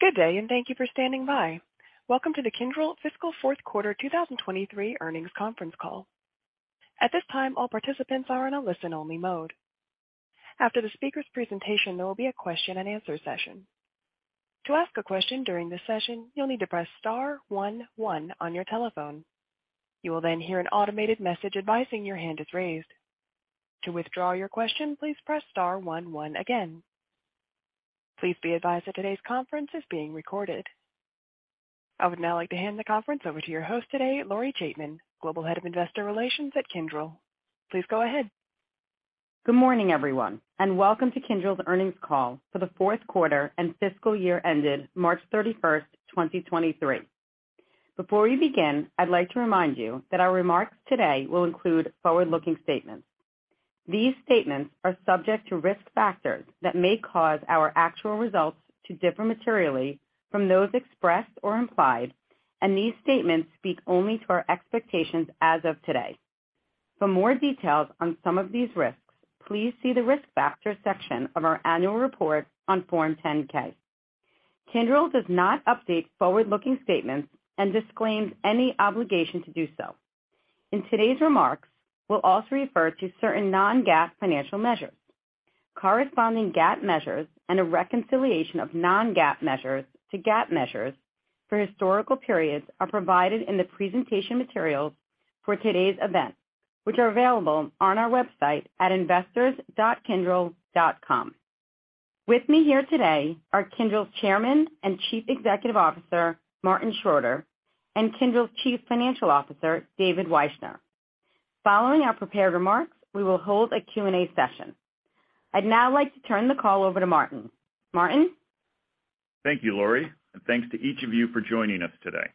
Good day, and thank you for standing by. Welcome to the Kyndryl Fiscal Fourth Quarter 2023 Earnings Conference Call. At this time, all participants are in a listen-only mode. After the speaker's presentation, there will be a question-and-answer session. To ask a question during this session, you'll need to press star one one on your telephone. You will then hear an automated message advising your hand is raised. To withdraw your question, please press star one one again. Please be advised that today's conference is being recorded. I would now like to hand the conference over to your host today, Lori Chaitman, Global Head of Investor Relations at Kyndryl. Please go ahead. Good morning, everyone, and welcome to Kyndryl's earnings call for the fourth quarter and fiscal year ended March thirty-first, 2023. Before we begin, I'd like to remind you that our remarks today will include forward-looking statements. These statements are subject to risk factors that may cause our actual results to differ materially from those expressed or implied, and these statements speak only to our expectations as of today. For more details on some of these risks, please see the Risk Factors section of our annual report on Form 10-K. Kyndryl does not update forward-looking statements and disclaims any obligation to do so. In today's remarks, we'll also refer to certain non-GAAP financial measures. Corresponding GAAP measures and a reconciliation of non-GAAP measures to GAAP measures for historical periods are provided in the presentation materials for today's event, which are available on our website at investors.kyndryl.com. With me here today are Kyndryl's Chairman and Chief Executive Officer, Martin Schroeter, and Kyndryl's Chief Financial Officer, David Wyshner. Following our prepared remarks, we will hold a Q&A session. I'd now like to turn the call over to Martin. Martin? Thank you, Lori, and thanks to each of you for joining us today.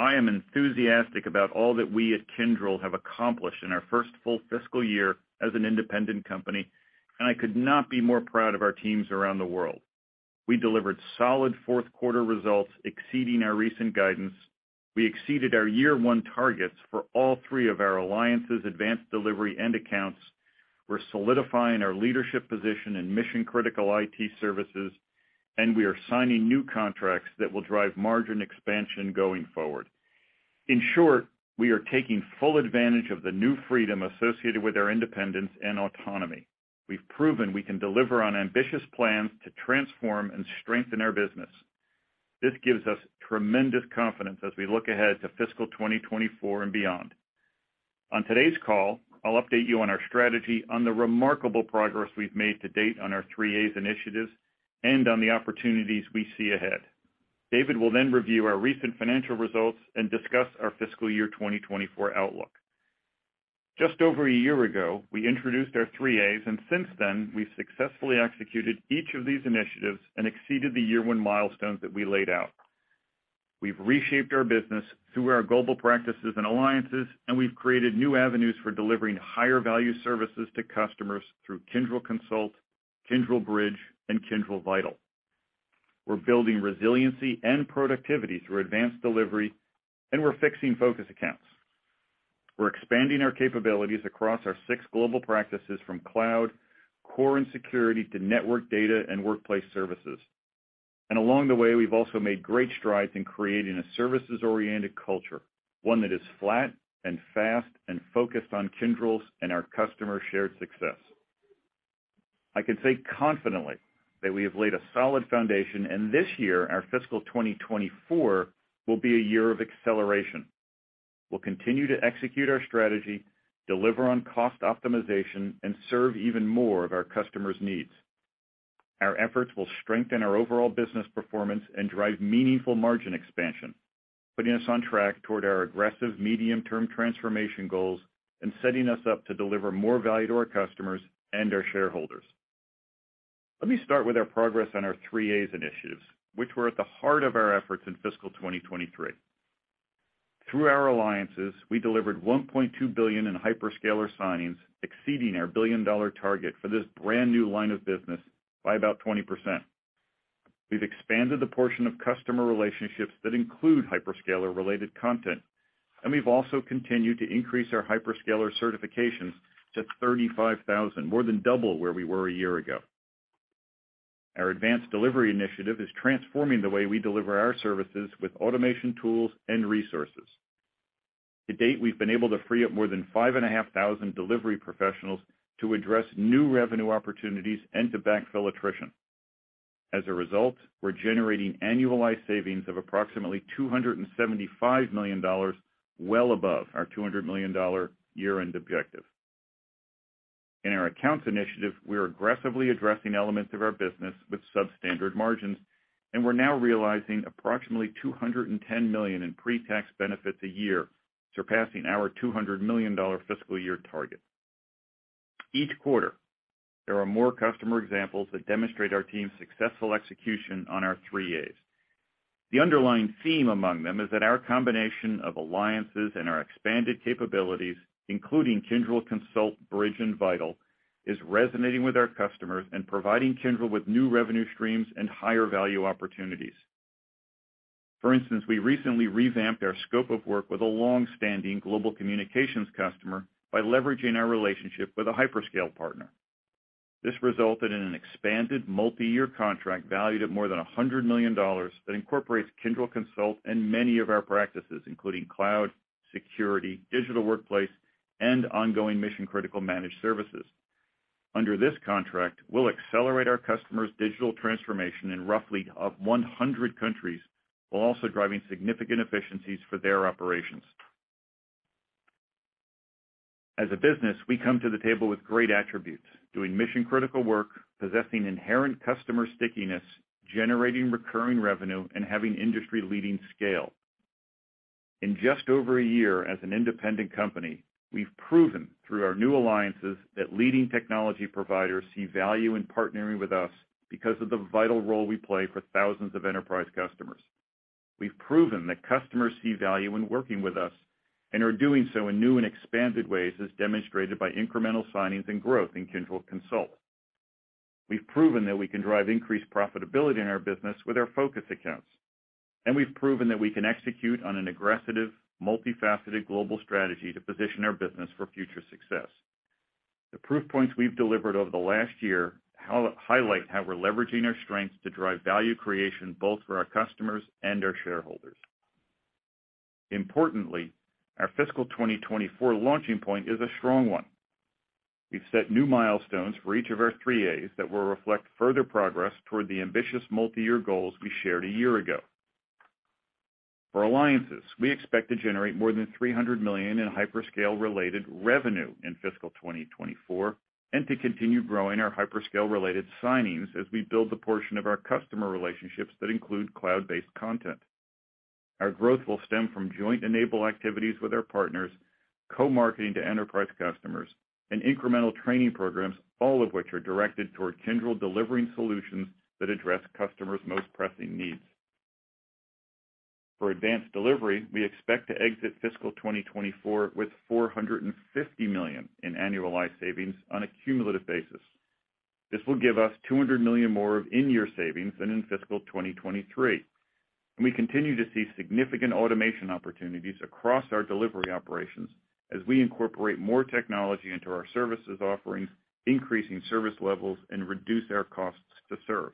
I am enthusiastic about all that we at Kyndryl have accomplished in our first full fiscal year as an independent company, and I could not be more proud of our teams around the world. We delivered solid fourth quarter results exceeding our recent guidance. We exceeded our year one targets for all three of our Alliances, Advanced Delivery, and Accounts. We're solidifying our leadership position in mission-critical IT services, and we are signing new contracts that will drive margin expansion going forward. In short, we are taking full advantage of the new freedom associated with our independence and autonomy. We've proven we can deliver on ambitious plans to transform and strengthen our business. This gives us tremendous confidence as we look ahead to fiscal 2024 and beyond. On today's call, I'll update you on our strategy on the remarkable progress we've made to date on our Three A's initiatives and on the opportunities we see ahead. David will then review our recent financial results and discuss our fiscal year 2024 outlook. Just over a year ago, we introduced our Three A's. Since then, we've successfully executed each of these initiatives and exceeded the year one milestones that we laid out. We've reshaped our business through our global practices and Alliances. We've created new avenues for delivering higher value services to customers through Kyndryl Consult, Kyndryl Bridge, and Kyndryl Vital. We're building resiliency and productivity through Advanced Delivery. We're fixing focus Accounts. We're expanding our capabilities across our six global practices from Cloud, Core, and Security to Network Data and Workplace Services. Along the way, we've also made great strides in creating a services-oriented culture, one that is flat and fast and focused on Kyndryl's and our customers' shared success. I can say confidently that we have laid a solid foundation, and this year, our fiscal 2024, will be a year of acceleration. We'll continue to execute our strategy, deliver on cost optimization, and serve even more of our customers' needs. Our efforts will strengthen our overall business performance and drive meaningful margin expansion, putting us on track toward our aggressive medium-term transformation goals and setting us up to deliver more value to our customers and our shareholders. Let me start with our progress on our Three A's initiatives, which were at the heart of our efforts in fiscal 2023. Through our Alliances, we delivered $1.2 billion in hyperscaler signings, exceeding our billion-dollar target for this brand-new line of business by about 20%. We've expanded the portion of customer relationships that include hyperscaler-related content. We've also continued to increase our hyperscaler certifications to 35,000, more than double where we were a year ago. Our Advanced Delivery initiative is transforming the way we deliver our services with automation tools and resources. To date, we've been able to free up more than 5,500 delivery professionals to address new revenue opportunities and to backfill attrition. As a result, we're generating annualized savings of approximately $275 million, well above our $200 million year-end objective. In our Accounts initiative, we are aggressively addressing elements of our business with substandard margins, and we're now realizing approximately $210 million in pre-tax benefits a year, surpassing our $200 million fiscal year target. Each quarter, there are more customer examples that demonstrate our team's successful execution on our Three A's. The underlying theme among them is that our combination of Alliances and our expanded capabilities, including Kyndryl Consult, Bridge, and Vital, is resonating with our customers and providing Kyndryl with new revenue streams and higher value opportunities. For instance, we recently revamped our scope of work with a long-standing global communications customer by leveraging our relationship with a hyperscale partner. This resulted in an expanded multi-year contract valued at more than $100 million that incorporates Kyndryl Consult and many of our practices, including Cloud, Security, Digital Workplace, and ongoing mission-critical managed services. Under this contract, we'll accelerate our customers' digital transformation in roughly of 100 countries, while also driving significant efficiencies for their operations. As a business, we come to the table with great attributes, doing mission-critical work, possessing inherent customer stickiness, generating recurring revenue, and having industry-leading scale. In just over a year as an independent company, we've proven through our new Alliances that leading technology providers see value in partnering with us because of the vital role we play for thousands of enterprise customers. We've proven that customers see value in working with us and are doing so in new and expanded ways, as demonstrated by incremental signings and growth in Kyndryl Consult. We've proven that we can drive increased profitability in our business with our focus Accounts, and we've proven that we can execute on an aggressive, multifaceted global strategy to position our business for future success. The proof points we've delivered over the last year highlight how we're leveraging our strengths to drive value creation both for our customers and our shareholders. Importantly, our fiscal 2024 launching point is a strong one. We've set new milestones for each of our Three A's that will reflect further progress toward the ambitious multi-year goals we shared a year ago. For Alliances, we expect to generate more than $300 million in hyperscale-related revenue in fiscal 2024, and to continue growing our hyperscale-related signings as we build the portion of our customer relationships that include cloud-based content. Our growth will stem from joint enable activities with our partners, co-marketing to enterprise customers, and incremental training programs, all of which are directed toward Kyndryl delivering solutions that address customers' most pressing needs. For Advanced Delivery, we expect to exit fiscal 2024 with $450 million in annualized savings on a cumulative basis. This will give us $200 million more of in-year savings than in fiscal 2023. We continue to see significant automation opportunities across our delivery operations as we incorporate more technology into our services offerings, increasing service levels, and reduce our costs to serve.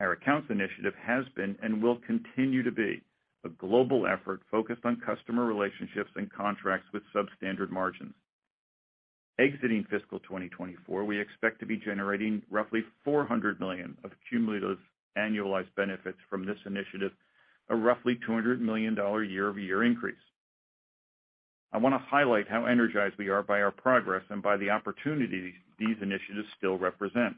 Our Accounts initiative has been and will continue to be a global effort focused on customer relationships and contracts with substandard margins. Exiting fiscal 2024, we expect to be generating roughly $400 million of cumulative annualized benefits from this initiative, a roughly $200 million year-over-year increase. I want to highlight how energized we are by our progress and by the opportunities these initiatives still represent.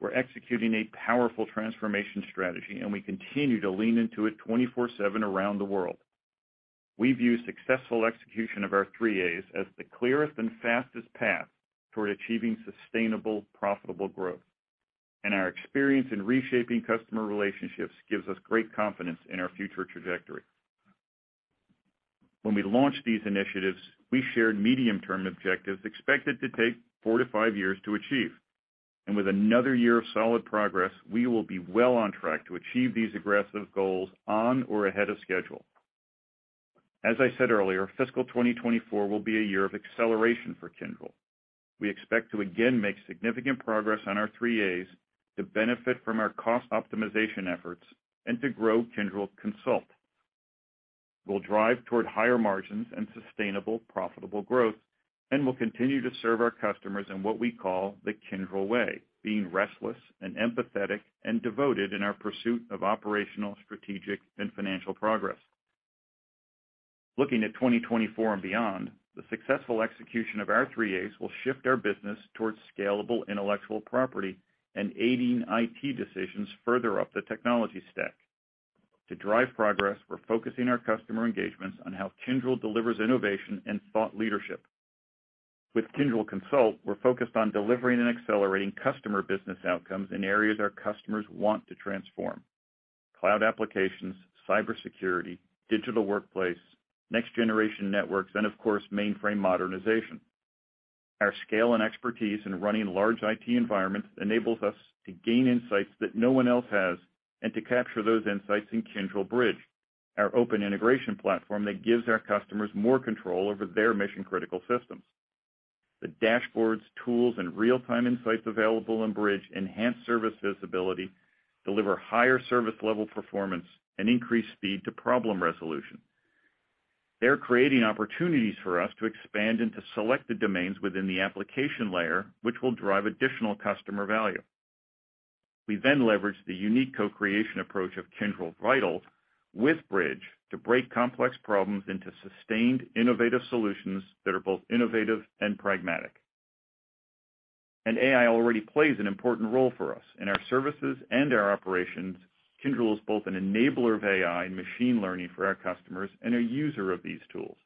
We're executing a powerful transformation strategy, and we continue to lean into it 24/7 around the world. We view successful execution of our Three A's as the clearest and fastest path toward achieving sustainable, profitable growth. Our experience in reshaping customer relationships gives us great confidence in our future trajectory. When we launched these initiatives, we shared medium-term objectives expected to take four to five years to achieve. With another year of solid progress, we will be well on track to achieve these aggressive goals on or ahead of schedule. As I said earlier, fiscal 2024 will be a year of acceleration for Kyndryl. We expect to again make significant progress on our Three A's to benefit from our cost optimization efforts and to grow Kyndryl Consult. We'll drive toward higher margins and sustainable, profitable growth, and we'll continue to serve our customers in what we call The Kyndryl Way, being restless and empathetic and devoted in our pursuit of operational, strategic, and financial progress. Looking at 2024 and beyond, the successful execution of our Three A's will shift our business towards scalable intellectual property and aiding IT decisions further up the technology stack. To drive progress, we're focusing our customer engagements on how Kyndryl delivers innovation and thought leadership. With Kyndryl Consult, we're focused on delivering and accelerating customer business outcomes in areas our customers want to transform: cloud applications, cybersecurity, digital workplace, next-generation networks and, of course, mainframe modernization. Our scale and expertise in running large IT environments enables us to gain insights that no one else has and to capture those insights in Kyndryl Bridge, our open integration platform that gives our customers more control over their mission-critical systems. The dashboards, tools, and real-time insights available in Bridge enhance service visibility, deliver higher service level performance, and increase speed to problem resolution. They're creating opportunities for us to expand into selected domains within the application layer, which will drive additional customer value. We leverage the unique co-creation approach of Kyndryl Vital with Bridge to break complex problems into sustained innovative solutions that are both innovative and pragmatic. AI already plays an important role for us. In our services and our operations, Kyndryl is both an enabler of AI and machine learning for our customers and a user of these tools.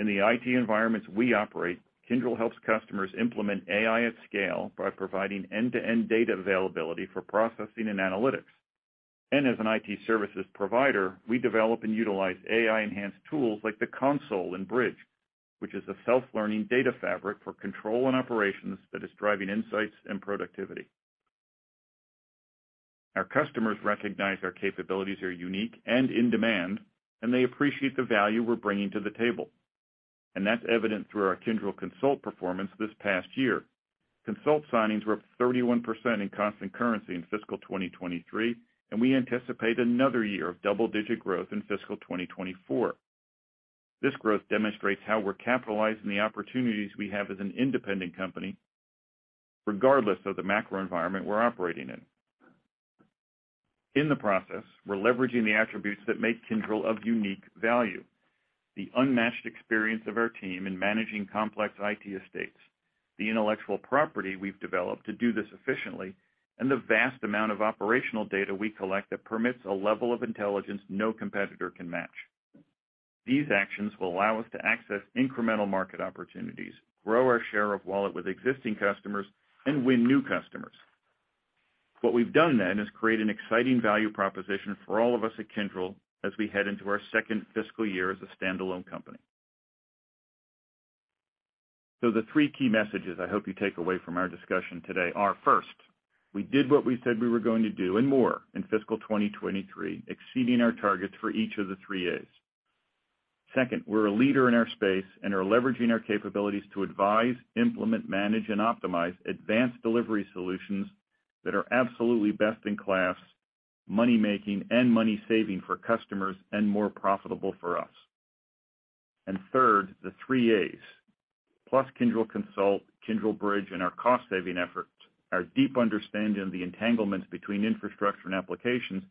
In the IT environments we operate, Kyndryl helps customers implement AI at scale by providing end-to-end data availability for processing and analytics. As an IT services provider, we develop and utilize AI-enhanced tools like the Console and Bridge, which is a self-learning data fabric for control and operations that is driving insights and productivity. Our customers recognize our capabilities are unique and in demand, and they appreciate the value we're bringing to the table. That's evident through our Kyndryl Consult performance this past year. Consult signings were up 31% in constant currency in fiscal 2023, and we anticipate another year of double-digit growth in fiscal 2024. This growth demonstrates how we're capitalizing the opportunities we have as an independent company, regardless of the macro environment we're operating in. In the process, we're leveraging the attributes that make Kyndryl of unique value, the unmatched experience of our team in managing complex IT estates, the intellectual property we've developed to do this efficiently, and the vast amount of operational data we collect that permits a level of intelligence no competitor can match. These actions will allow us to access incremental market opportunities, grow our share of wallet with existing customers, and win new customers. What we've done then is create an exciting value proposition for all of us at Kyndryl as we head into our second fiscal year as a standalone company. The three key messages I hope you take away from our discussion today are, first, we did what we said we were going to do and more in fiscal 2023, exceeding our targets for each of the Three A's. Second, we're a leader in our space and are leveraging our capabilities to advise, implement, manage, and optimize Advanced Delivery solutions that are absolutely best-in-class money-making and money-saving for customers and more profitable for us. Third, the Three A's plus Kyndryl Consult, Kyndryl Bridge, and our cost-saving efforts, our deep understanding of the entanglements between infrastructure and applications,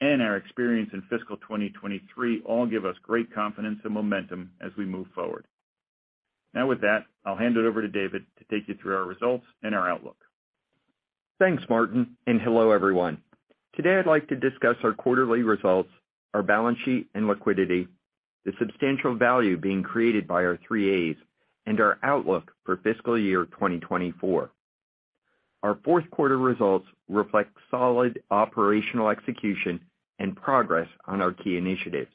and our experience in fiscal 2023 all give us great confidence and momentum as we move forward. With that, I'll hand it over to David to take you through our results and our outlook. Thanks, Martin, and hello, everyone. Today, I'd like to discuss our quarterly results, our balance sheet and liquidity, the substantial value being created by our Three A's, and our outlook for fiscal year 2024. Our fourth quarter results reflect solid operational execution and progress on our key initiatives.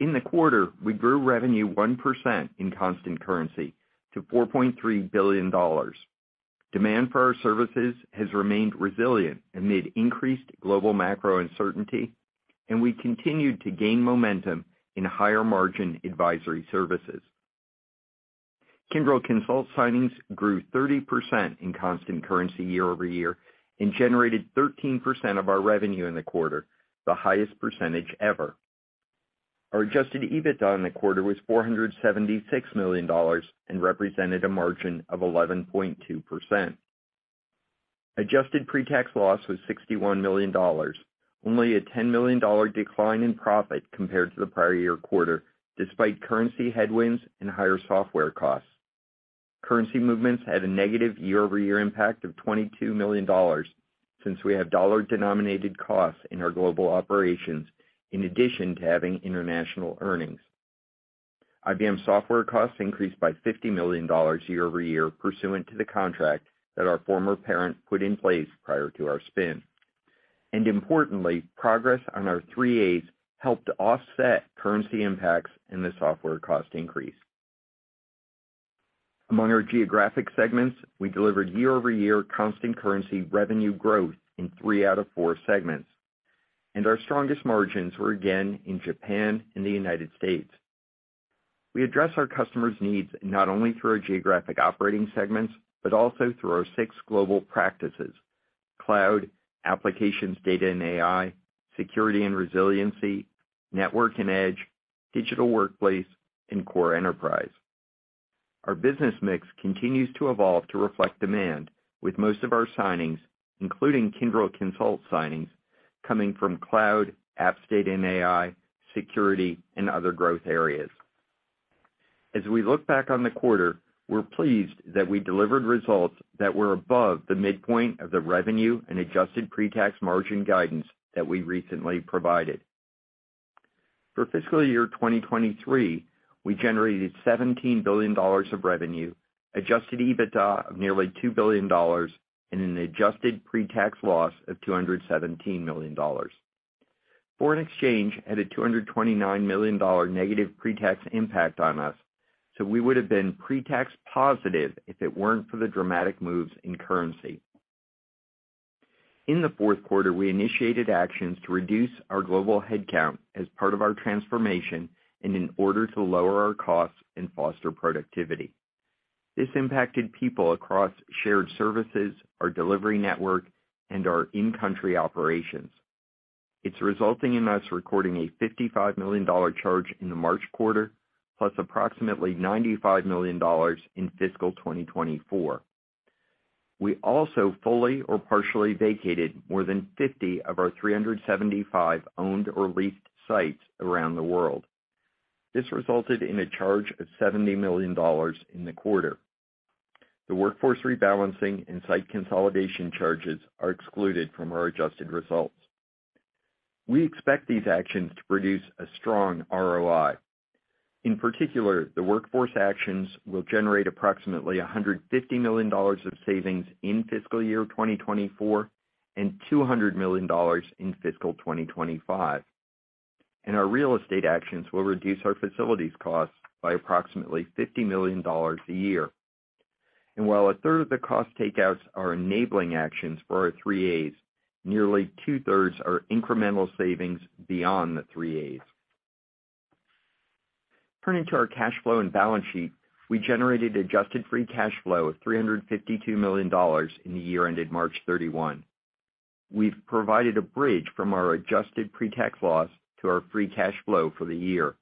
In the quarter, we grew revenue 1% in constant currency to $4.3 billion. Demand for our services has remained resilient amid increased global macro uncertainty, and we continued to gain momentum in higher-margin advisory services. Kyndryl Consult signings grew 30% in constant currency year-over-year and generated 13% of our revenue in the quarter, the highest percentage ever. Our adjusted EBITDA in the quarter was $476 million and represented a margin of 11.2%. Adjusted pre-tax loss was $61 million, only a $10 million decline in profit compared to the prior year quarter, despite currency headwinds and higher software costs. Currency movements had a negative year-over-year impact of $22 million since we have dollar-denominated costs in our global operations in addition to having international earnings. IBM software costs increased by $50 million year-over-year pursuant to the contract that our former parent put in place prior to our spin. Importantly, progress on our Three A's helped to offset currency impacts and the software cost increase. Among our geographic segments, we delivered year-over-year constant currency revenue growth in three out of four segments, and our strongest margins were again in Japan and the United States. We address our customers' needs not only through our geographic operating segments, but also through our six global practices: Cloud, applications, data and AI, Security and Resiliency, Network and Edge, digital workplace, and Core Enterprise. Our business mix continues to evolve to reflect demand with most of our signings, including Kyndryl Consult signings, coming from Cloud, Applications, Data and AI, Security, and other growth areas. As we look back on the quarter, we're pleased that we delivered results that were above the midpoint of the revenue and adjusted pre-tax margin guidance that we recently provided. For fiscal year 2023, we generated $17 billion of revenue, adjusted EBITDA of nearly $2 billion, and an adjusted pre-tax loss of $217 million. Foreign exchange had a $229 million negative pre-tax impact on us, so we would have been pre-tax positive if it weren't for the dramatic moves in currency. In the fourth quarter, we initiated actions to reduce our global headcount as part of our transformation and in order to lower our costs and foster productivity. This impacted people across shared services, our delivery network, and our in-country operations. It's resulting in us recording a $55 million charge in the March quarter, plus approximately $95 million in fiscal 2024. We also fully or partially vacated more than 50 of our 375 owned or leased sites around the world. This resulted in a charge of $70 million in the quarter. The workforce rebalancing and site consolidation charges are excluded from our adjusted results. We expect these actions to produce a strong ROI. In particular, the workforce actions will generate approximately $150 million of savings in fiscal year 2024 and $200 million in fiscal 2025. Our real estate actions will reduce our facilities costs by approximately $50 million a year. While a third of the cost takeouts are enabling actions for our Three A's, nearly two-thirds are incremental savings beyond the Three A's. Turning to our cash flow and balance sheet, we generated adjusted free cash flow of $352 million in the year ended March 31. We've provided a bridge from our adjusted pre-tax loss to our free cash flow for the year.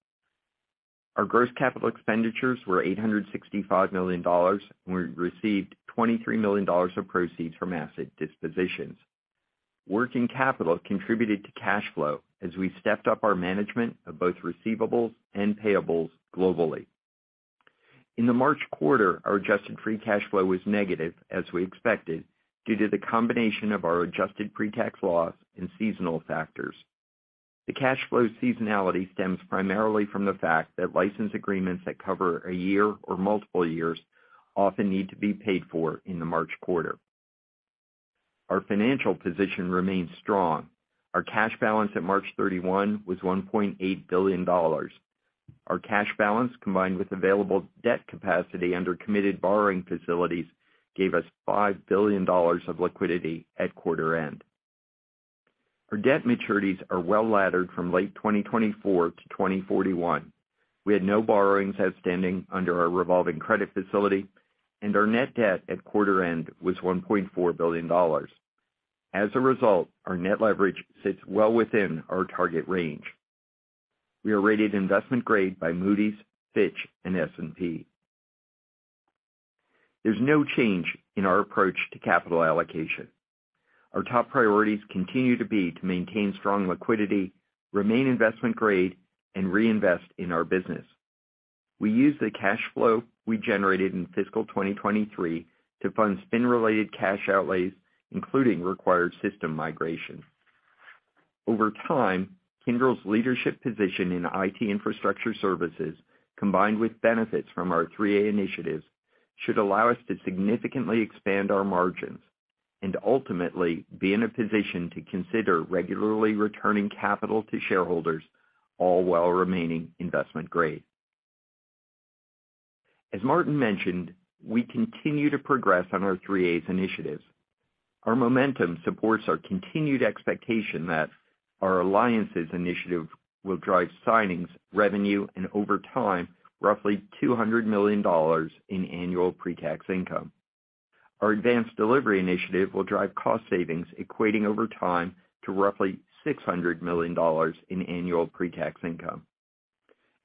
Our gross capital expenditures were $865 million, and we received $23 million of proceeds from asset dispositions. Working capital contributed to cash flow as we stepped up our management of both receivables and payables globally. In the March quarter, our adjusted free cash flow was negative, as we expected, due to the combination of our adjusted pretax loss and seasonal factors. The cash flow seasonality stems primarily from the fact that license agreements that cover a year or multiple years often need to be paid for in the March quarter. Our financial position remains strong. Our cash balance at March 31 was $1.8 billion. Our cash balance, combined with available debt capacity under committed borrowing facilities, gave us $5 billion of liquidity at quarter end. Our debt maturities are well-laddered from late 2024 to 2041. We had no borrowings outstanding under our revolving credit facility, and our net debt at quarter end was $1.4 billion. As a result, our net leverage sits well within our target range. We are rated investment grade by Moody's, Fitch, and S&P. There's no change in our approach to capital allocation. Our top priorities continue to be to maintain strong liquidity, remain investment grade, and reinvest in our business. We use the cash flow we generated in fiscal 2023 to fund spin-related cash outlays, including required system migration. Over time, Kyndryl's leadership position in IT infrastructure services, combined with benefits from our Three A's initiatives, should allow us to significantly expand our margins and ultimately be in a position to consider regularly returning capital to shareholders, all while remaining investment grade. As Martin mentioned, we continue to progress on our Three A's initiatives. Our momentum supports our continued expectation that our Alliances initiative will drive signings, revenue, and over time, roughly $200 million in annual pretax income. Our Advanced Delivery initiative will drive cost savings equating over time to roughly $600 million in annual pretax income.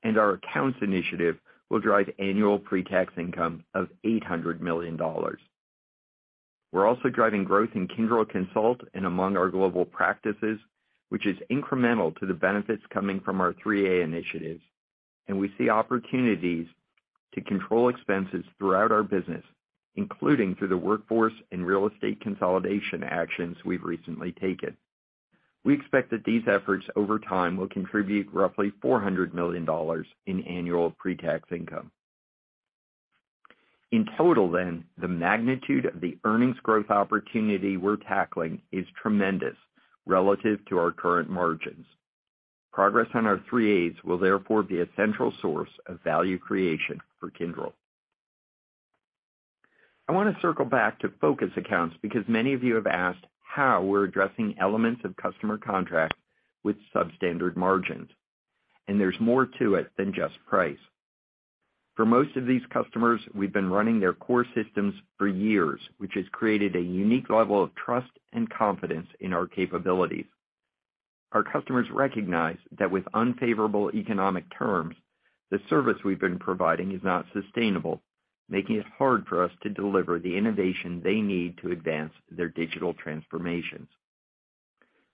Our Accounts initiative will drive annual pretax income of $800 million. We're also driving growth in Kyndryl Consult and among our global practices, which is incremental to the benefits coming from our Three A initiatives. We see opportunities to control expenses throughout our business, including through the workforce and real estate consolidation actions we've recently taken. We expect that these efforts over time will contribute roughly $400 million in annual pretax income. In total, the magnitude of the earnings growth opportunity we're tackling is tremendous relative to our current margins. Progress on our Three A's will therefore be a central source of value creation for Kyndryl. I want to circle back to focus Accounts because many of you have asked how we're addressing elements of customer contracts with substandard margins. There's more to it than just price. For most of these customers, we've been running their core systems for years, which has created a unique level of trust and confidence in our capabilities. Our customers recognize that with unfavorable economic terms, the service we've been providing is not sustainable, making it hard for us to deliver the innovation they need to advance their digital transformations.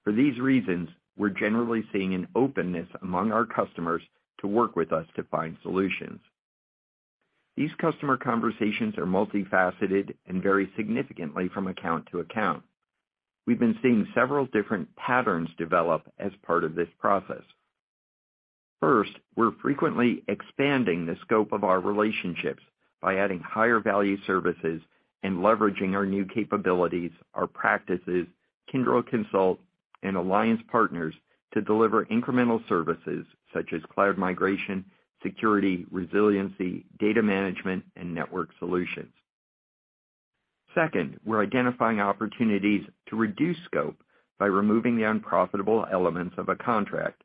For these reasons, we're generally seeing an openness among our customers to work with us to find solutions. These customer conversations are multifaceted and vary significantly from account to account. We've been seeing several different patterns develop as part of this process. First, we're frequently expanding the scope of our relationships by adding higher value services and leveraging our new capabilities, our practices, Kyndryl Consult and alliance partners to deliver incremental services such as cloud migration, security, resiliency, data management, and network solutions. Second, we're identifying opportunities to reduce scope by removing the unprofitable elements of a contract.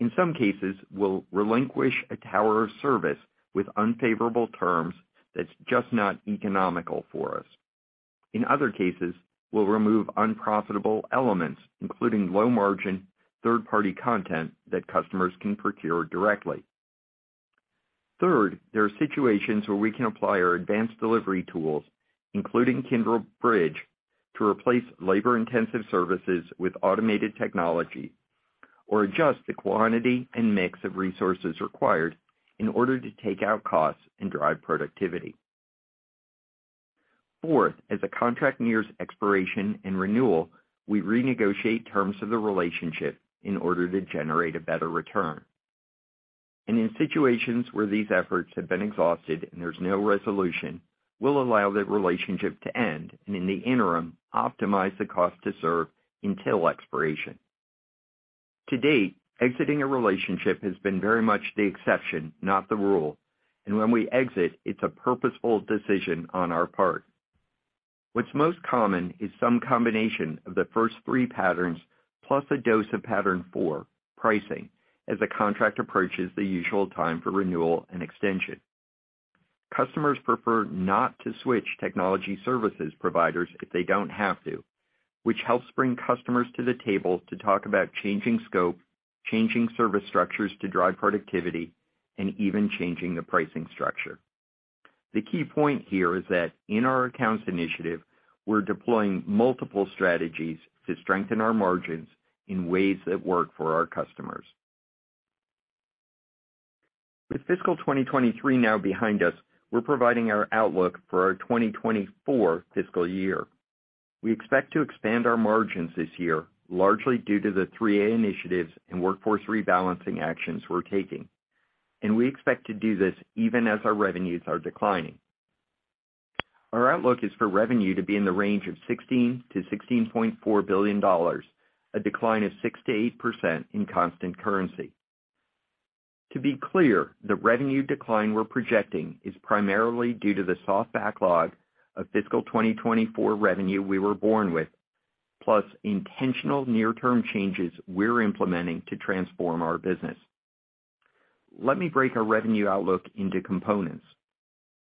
In some cases, we'll relinquish a tower of service with unfavorable terms that's just not economical for us. In other cases, we'll remove unprofitable elements, including low margin third-party content that customers can procure directly. Third, there are situations where we can apply our Advanced Delivery tools, including Kyndryl Bridge, to replace labor-intensive services with automated technology or adjust the quantity and mix of resources required in order to take out costs and drive productivity. Fourth, as a contract nears expiration and renewal, we renegotiate terms of the relationship in order to generate a better return. In situations where these efforts have been exhausted and there's no resolution, we'll allow the relationship to end and in the interim, optimize the cost to serve until expiration. To date, exiting a relationship has been very much the exception, not the rule. When we exit, it's a purposeful decision on our part. What's most common is some combination of the first three patterns plus a dose of pattern four, pricing, as the contract approaches the usual time for renewal and extension. Customers prefer not to switch technology services providers if they don't have to, which helps bring customers to the table to talk about changing scope, changing service structures to drive productivity, and even changing the pricing structure. The key point here is that in our Accounts initiative, we're deploying multiple strategies to strengthen our margins in ways that work for our customers. With fiscal 2023 now behind us, we're providing our outlook for our 2024 fiscal year. We expect to expand our margins this year, largely due to the Three A's initiatives and workforce rebalancing actions we're taking. We expect to do this even as our revenues are declining. Our outlook is for revenue to be in the range of $16 billion-$16.4 billion, a decline of 6%-8% in constant currency. To be clear, the revenue decline we're projecting is primarily due to the soft backlog of fiscal 2024 revenue we were born with, plus intentional near-term changes we're implementing to transform our business. Let me break our revenue outlook into components.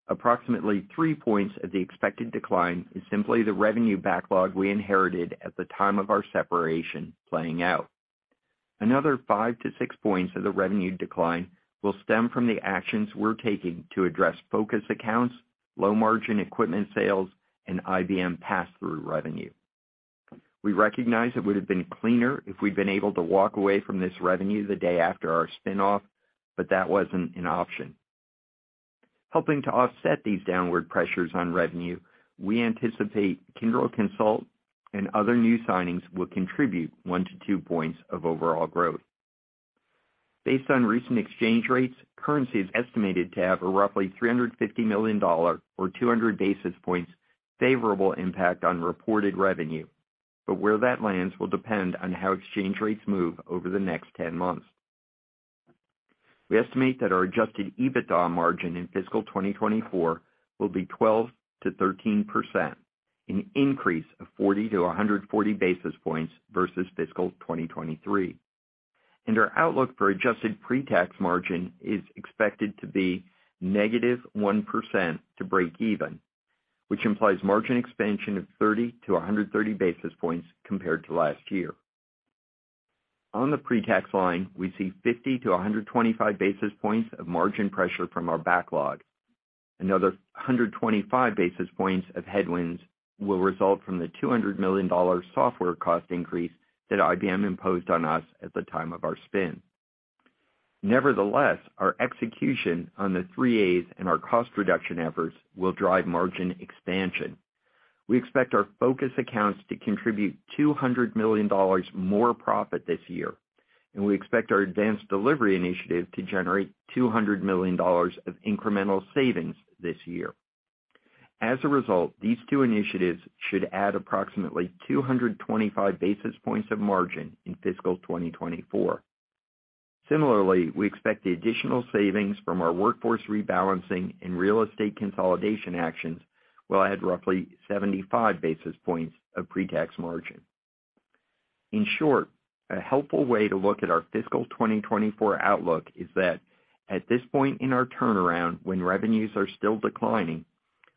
Approximately three points of the expected decline is simply the revenue backlog we inherited at the time of our separation playing out. Another 5-6 points of the revenue decline will stem from the actions we're taking to address focus accounts, low-margin equipment sales, and IBM passthrough revenue. We recognize it would have been cleaner if we'd been able to walk away from this revenue the day after our spin-off, but that wasn't an option. Helping to offset these downward pressures on revenue, we anticipate Kyndryl Consult and other new signings will contribute 1-2 points of overall growth. Based on recent exchange rates, currency is estimated to have a roughly $350 million or 200 basis points favorable impact on reported revenue. Where that lands will depend on how exchange rates move over the next 10 months. We estimate that our adjusted EBITDA margin in fiscal 2024 will be 12%-13%, an increase of 40-140 basis points versus fiscal 2023. Our outlook for adjusted pre-tax margin is expected to be -1% to break even, which implies margin expansion of 30-130 basis points compared to last year., On the pre-tax line, we see 50-125 basis points of margin pressure from our backlog. Another 125 basis points of headwinds will result from the $200 million software cost increase that IBM imposed on us at the time of our spin. Our execution on the Three A's and our cost reduction efforts will drive margin expansion. We expect our focus Accounts to contribute $200 million more profit this year, and we expect our Advanced Delivery initiative to generate $200 million of incremental savings this year. These two initiatives should add approximately 225 basis points of margin in fiscal 2024. We expect the additional savings from our workforce rebalancing and real estate consolidation actions will add roughly 75 basis points of pre-tax margin. In short, a helpful way to look at our fiscal 2024 outlook is that at this point in our turnaround, when revenues are still declining,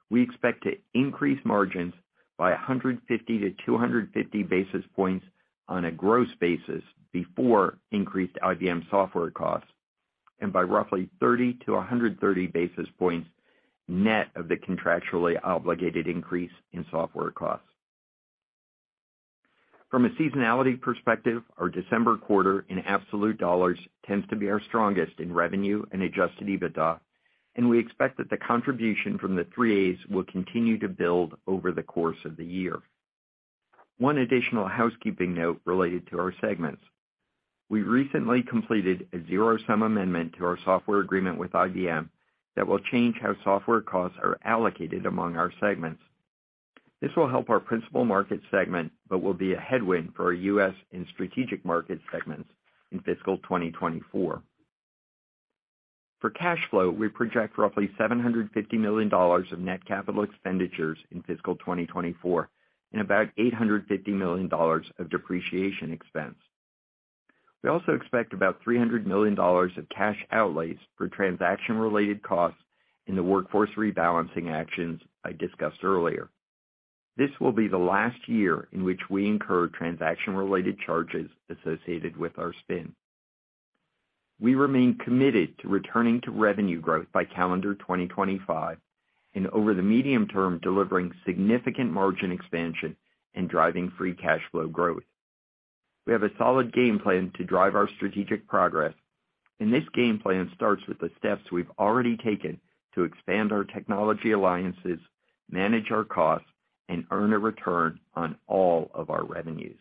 we expect to increase margins by 150-250 basis points on a gross basis before increased IBM software costs, and by roughly 30-130 basis points net of the contractually obligated increase in software costs. From a seasonality perspective, our December quarter in absolute dollars tends to be our strongest in revenue and adjusted EBITDA, and we expect that the contribution from the Three A's will continue to build over the course of the year. One additional housekeeping note related to our segments. We recently completed a zero-sum amendment to our software agreement with IBM that will change how software costs are allocated among our segments. This will help our Principal Markets segment, will be a headwind for our United States and Strategic Markets segments in fiscal 2024. For cash flow, we project roughly $750 million of net capital expenditures in fiscal 2024 and about $850 million of depreciation expense. We also expect about $300 million of cash outlays for transaction-related costs in the workforce rebalancing actions I discussed earlier. This will be the last year in which we incur transaction-related charges associated with our spin. We remain committed to returning to revenue growth by calendar 2025 and over the medium term, delivering significant margin expansion and driving free cash flow growth. This game plan starts with the steps we've already taken to expand our technology Alliances, manage our costs, and earn a return on all of our revenues.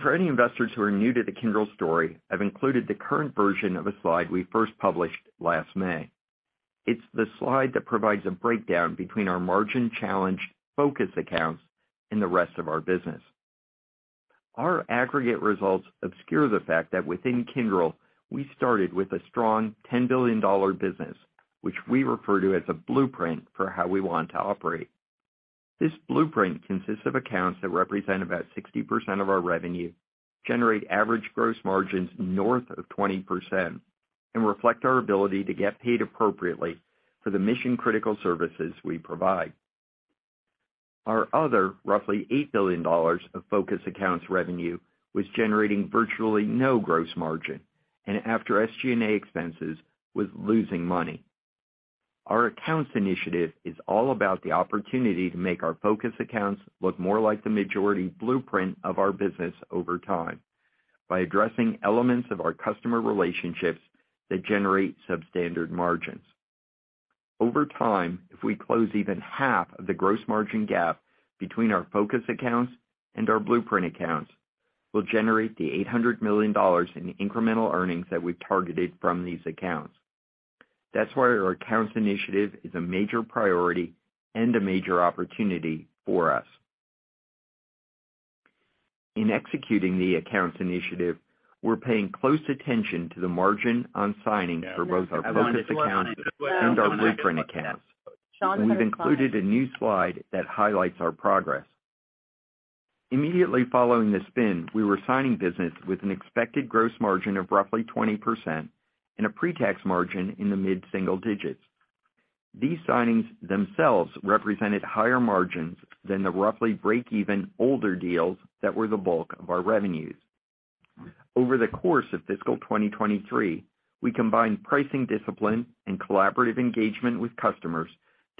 For any investors who are new to the Kyndryl story, I've included the current version of a slide we first published last May. It's the slide that provides a breakdown between our margin-challenged focus Accounts and the rest of our business. Our aggregate results obscure the fact that within Kyndryl, we started with a strong $10 billion business, which we refer to as a blueprint for how we want to operate. This blueprint consists of accounts that represent about 60% of our revenue, generate average gross margins north of 20%, and reflect our ability to get paid appropriately for the mission-critical services we provide. Our other roughly $8 billion of focus accounts revenue was generating virtually no gross margin and after SG&A expenses, was losing money. Our Accounts initiative is all about the opportunity to make our focus accounts look more like the majority blueprint of our business over time by addressing elements of our customer relationships that generate substandard margins. Over time, if we close even half of the gross margin gap between our focus accounts and our blueprint accounts, we'll generate the $800 million in incremental earnings that we've targeted from these accounts. That's why our Accounts initiative is a major priority and a major opportunity for us. In executing the Accounts initiative, we're paying close attention to the margin on signings for both our focus accounts and our blueprint accounts. We've included a new slide that highlights our progress. Immediately following the spin, we were signing business with an expected gross margin of roughly 20% and a pre-tax margin in the mid-single digits. These signings themselves represented higher margins than the roughly break-even older deals that were the bulk of our revenues. Over the course of fiscal 2023, we combined pricing discipline and collaborative engagement with customers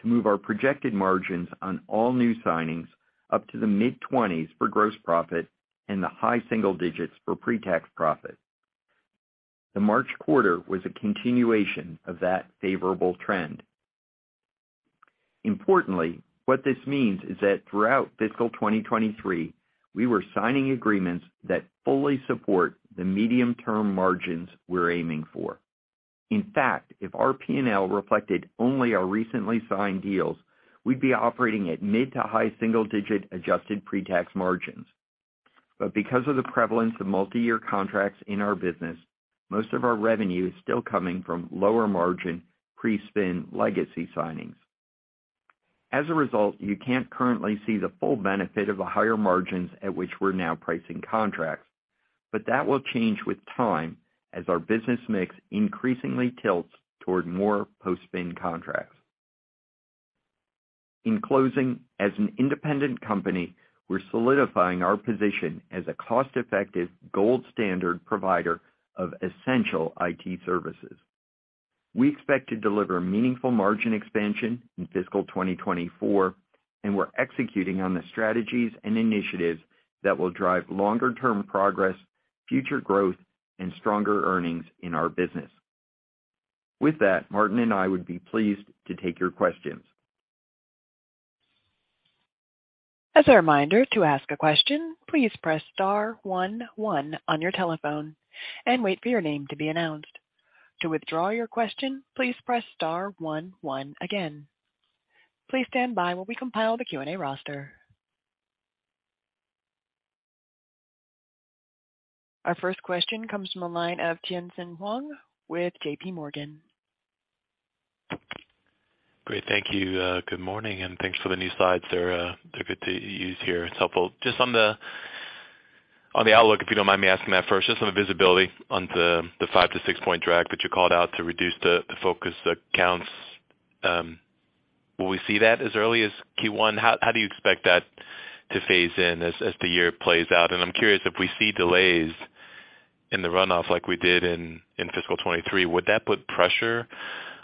to move our projected margins on all new signings up to the mid-20s for gross profit and the high single digits for pre-tax profit. The March quarter was a continuation of that favorable trend. Importantly, what this means is that throughout fiscal 2023, we were signing agreements that fully support the medium-term margins we're aiming for. In fact, if our P&L reflected only our recently signed deals, we'd be operating at mid to high single-digit adjusted pre-tax margins. Because of the prevalence of multi-year contracts in our business, most of our revenue is still coming from lower-margin, pre-spin legacy signings. As a result, you can't currently see the full benefit of the higher margins at which we're now pricing contracts. That will change with time as our business mix increasingly tilts toward more post-spin contracts. In closing, as an independent company, we're solidifying our position as a cost-effective gold standard provider of essential IT services. We expect to deliver meaningful margin expansion in fiscal 2024, and we're executing on the strategies and initiatives that will drive longer-term progress, future growth, and stronger earnings in our business. With that, Martin and I would be pleased to take your questions. As a reminder to ask a question, please press star one one on your telephone and wait for your name to be announced. To withdraw your question, please press star one one again. Please stand by while we compile the Q&A roster. Our first question comes from the line of Tien-Tsin Huang with JP Morgan. Great. Thank you. Good morning, thanks for the new slides. They're good to use here. It's helpful. Just on the outlook, if you don't mind me asking that first, just on the visibility on the 5-6 point drag that you called out to reduce the focus Accounts, will we see that as early as Q1? How do you expect that to phase in as the year plays out? I'm curious if we see delays in the runoff like we did in fiscal 2023, would that put pressure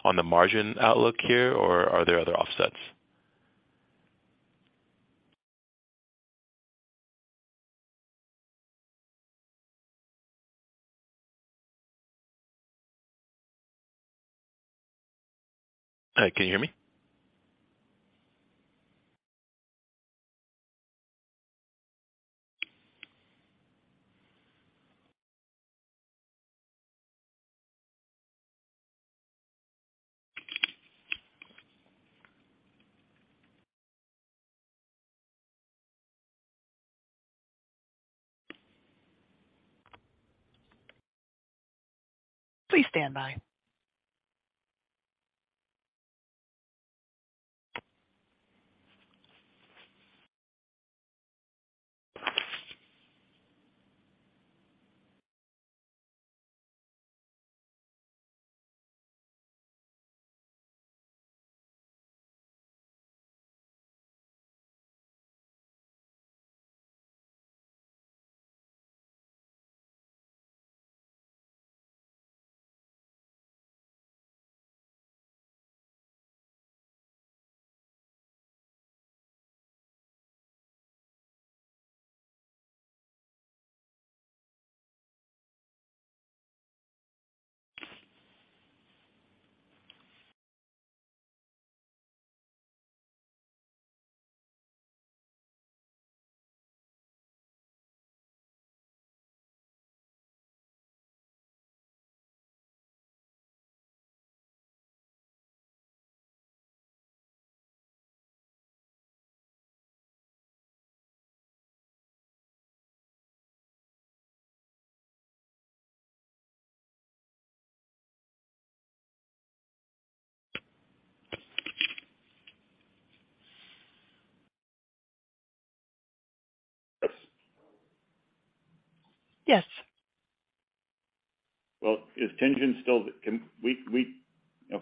on the margin outlook here, or are there other offsets? Can you hear me? Please stand by. Yes. Well, is Tien-Tsin can we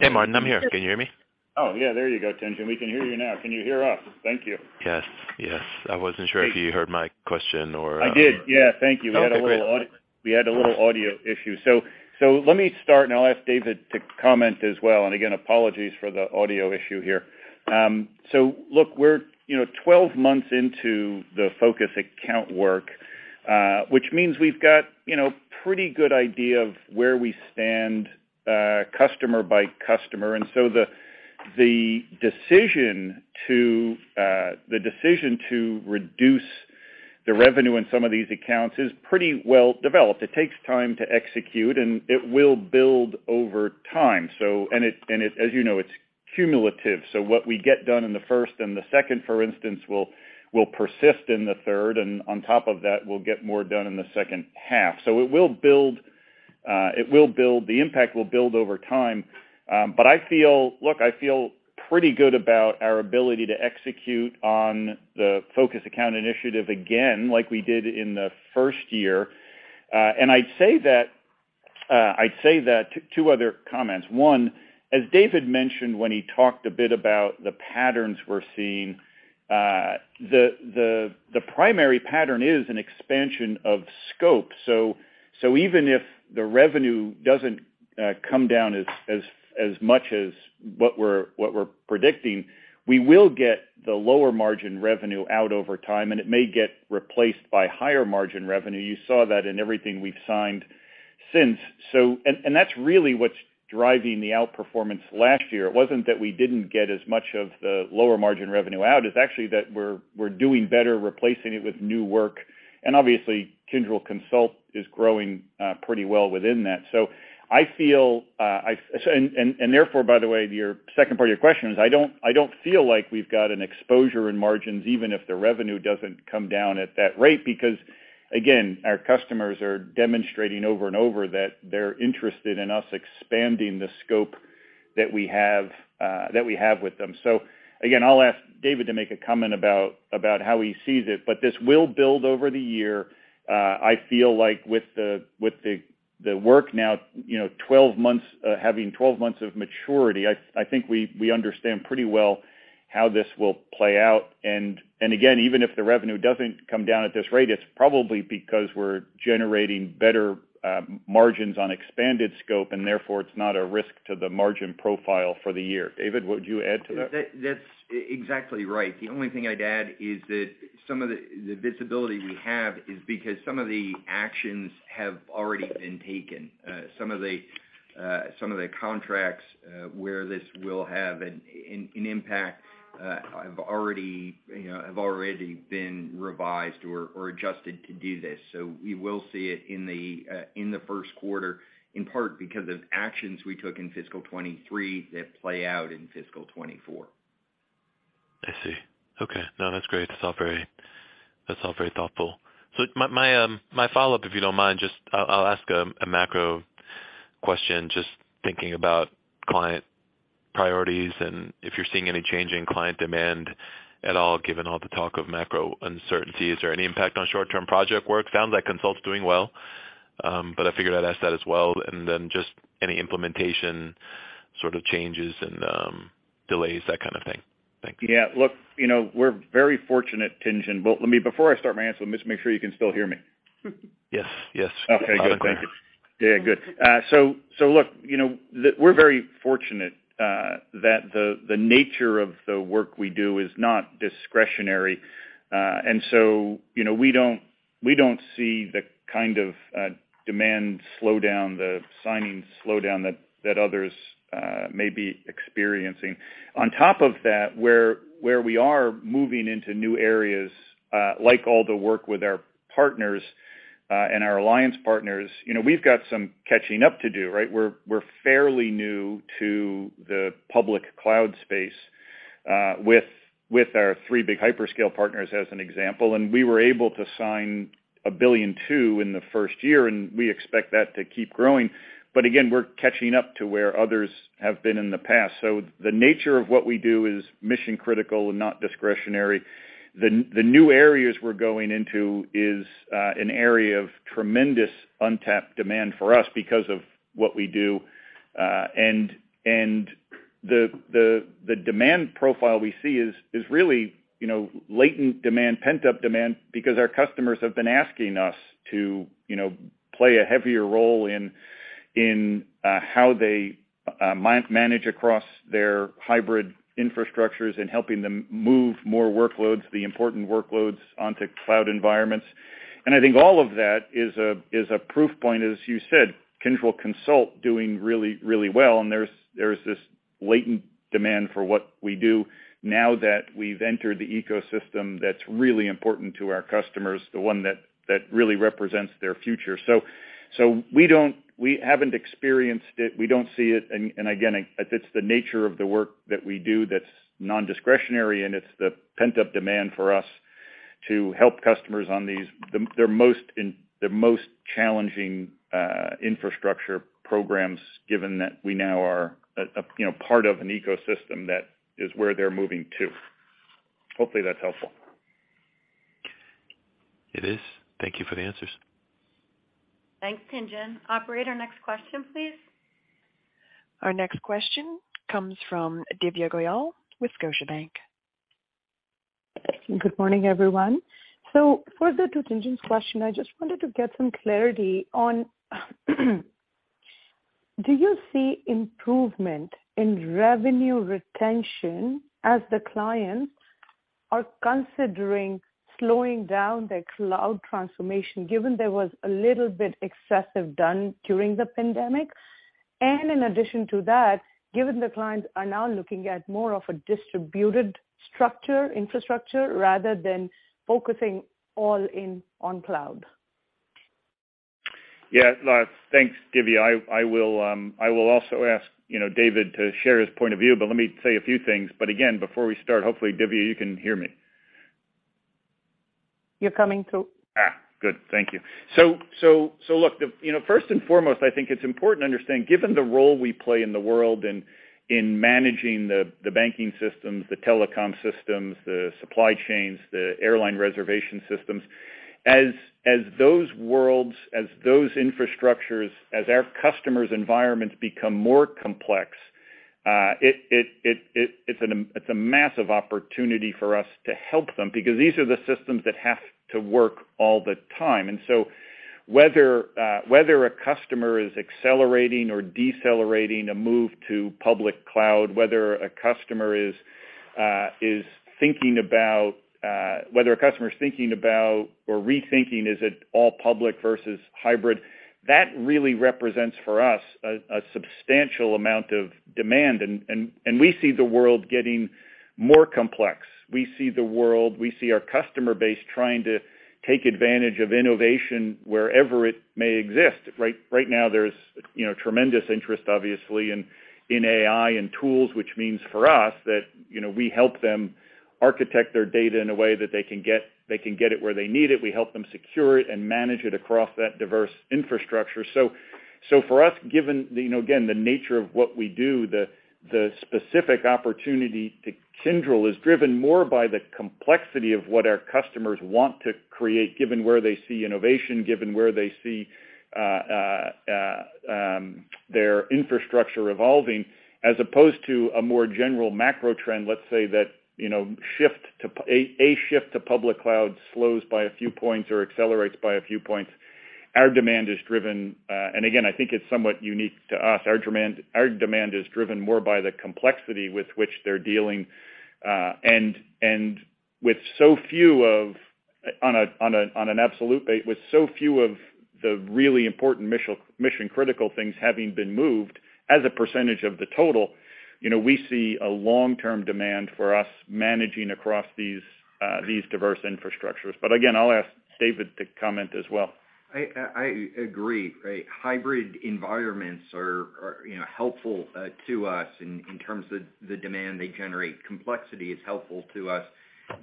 Hey, Martin. I'm here. Can you hear me? Oh, yeah, there you go, Tien-Tsin. We can hear you now. Can you hear us? Thank you. Yes. Yes. I wasn't sure if you heard my question or. I did, yeah. Thank you. Okay, great. We had a little audio issue. Let me start, and I'll ask David to comment as well. Again, apologies for the audio issue here. Look, we're, you know, 12 months into the focus account work, which means we've got, you know, pretty good idea of where we stand, customer by customer. The decision to reduce the revenue in some of these accounts is pretty well developed. It takes time to execute, and it will build over time. As you know, it's cumulative, so what we get done in the first and the second, for instance, will persist in the third. On top of that, we'll get more done in the second half. It will build, it will build... the impact will build over time. But I feel pretty good about our ability to execute on the focus Accounts initiative again, like we did in the first year. I'd say that two other comments. One, as David mentioned when he talked a bit about the patterns we're seeing, the primary pattern is an expansion of scope. Even if the revenue doesn't come down as much as what we're predicting, we will get the lower margin revenue out over time, and it may get replaced by higher margin revenue. You saw that in everything we've signed since. That's really what's driving the outperformance last year. It wasn't that we didn't get as much of the lower margin revenue out. It's actually that we're doing better replacing it with new work. Obviously Kyndryl Consult is growing pretty well within that. I feel. Therefore, by the way, to your second part of your question is, I don't feel like we've got an exposure in margins, even if the revenue doesn't come down at that rate. Again, our customers are demonstrating over and over that they're interested in us expanding the scope that we have with them. Again, I'll ask David to make a comment about how he sees it, but this will build over the year. I feel like with the work now, you know, 12 months, having 12 months of maturity, I think we understand pretty well how this will play out. Again, even if the revenue doesn't come down at this rate, it's probably because we're generating better margins on expanded scope, and therefore it's not a risk to the margin profile for the year. David, would you add to that? That's exactly right. The only thing I'd add is that some of the visibility we have is because some of the actions have already been taken. Some of the contracts, where this will have an impact, have already, you know, have already been revised or adjusted to do this. We will see it in the first quarter, in part because of actions we took in fiscal 2023 that play out in fiscal 2024. I see. Okay. No, that's great. That's all very, that's all very thoughtful. My follow-up, if you don't mind, just I'll ask a macro question, just thinking about client priorities and if you're seeing any change in client demand at all, given all the talk of macro uncertainty. Is there any impact on short-term project work? Sounds like Consult's doing well, but I figured I'd ask that as well. Just any implementation sort of changes and delays, that kind of thing. Thank you. Yeah. Look, you know, we're very fortunate, Tien-Tsin. Well, before I start my answer, let me just make sure you can still hear me. Yes. Yes. Okay, good. Thank you. Loud and clear. Yeah, good. Look, you know, we're very fortunate that the nature of the work we do is not discretionary. You know, we don't see the kind of demand slowdown, the signing slowdown that others may be experiencing. On top of that, where we are moving into new areas, like all the work with our partners, and our alliance partners, you know, we've got some catching up to do, right? We're fairly new to the public Cloud space, with our three big hyperscale partners, as an example. We were able to sign $1.2 billion in the first year, and we expect that to keep growing. Again, we're catching up to where others have been in the past. The nature of what we do is mission critical and not discretionary. The new areas we're going into is an area of tremendous untapped demand for us because of what we do. And the demand profile we see is really, you know, latent demand, pent-up demand, because our customers have been asking us to, you know, play a heavier role in how they manage across their hybrid infrastructures and helping them move more workloads, the important workloads onto cloud environments. And I think all of that is a proof point, as you said, Kyndryl Consult doing really, really well. And there's this latent demand for what we do now that we've entered the ecosystem that's really important to our customers, the one that really represents their future. We haven't experienced it, we don't see it. Again, it's the nature of the work that we do that's non-discretionary, and it's the pent-up demand for us to help customers on these, the most challenging infrastructure programs, given that we now are, you know, part of an ecosystem that is where they're moving to. Hopefully, that's helpful. It is. Thank you for the answers. Thanks, Tien-Tsin. Operator, next question, please. Our next question comes from Divya Goyal with Scotiabank. Good morning, everyone. Further to Tien-Tsin's question, I just wanted to get some clarity on do you see improvement in revenue retention as the clients are considering slowing down their cloud transformation, given there was a little bit excessive done during the pandemic? In addition to that, given the clients are now looking at more of a distributed structure, infrastructure, rather than focusing all in on cloud. Yeah. Thanks, Divya. I will also ask, you know, David to share his point of view. Let me say a few things. Again, before we start, hopefully, Divya, you can hear me. You're coming through. Good. Thank you. Look, you know, first and foremost, I think it's important to understand, given the role we play in the world in managing the banking systems, the telecom systems, the supply chains, the airline reservation systems. As those worlds, as those infrastructures, as our customers' environments become more complex, it's a massive opportunity for us to help them because these are the systems that have to work all the time. Whether a customer is accelerating or decelerating a move to public cloud, whether a customer is thinking about or rethinking, is it all public versus hybrid, that really represents, for us, a substantial amount of demand. We see the world getting more complex. We see the world, we see our customer base trying to take advantage of innovation wherever it may exist. Right now, there's, you know, tremendous interest, obviously, in AI and tools, which means for us that, you know, we help them architect their data in a way that they can get it where they need it. We help them secure it and manage it across that diverse infrastructure. For us, given the, you know, again, the nature of what we do, the specific opportunity to Kyndryl is driven more by the complexity of what our customers want to create, given where they see innovation, given where they see their infrastructure evolving, as opposed to a more general macro trend. Let's say that, you know, a shift to public cloud slows by a few points or accelerates by a few points. Our demand is driven, and again, I think it's somewhat unique to us. Our demand is driven more by the complexity with which they're dealing, and with so few of... With so few of the really important mission-critical things having been moved as a percentage of the total, you know, we see a long-term demand for us managing across these diverse infrastructures. Again, I'll ask David to comment as well. I agree, right? Hybrid environments are, you know, helpful to us in terms of the demand they generate. Complexity is helpful to us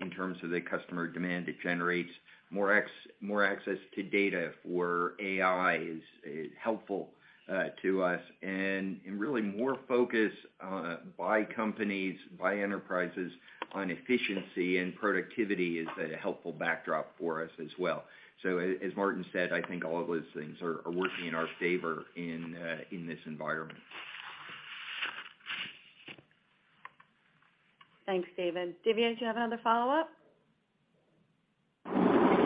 in terms of the customer demand it generates. More access to data for AI is helpful to us. Really more focus by companies, by enterprises on efficiency and productivity is a helpful backdrop for us as well. As Martin said, I think all of those things are working in our favor in this environment. Thanks, David. Divya, do you have another follow-up?